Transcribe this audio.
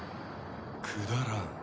くだらん。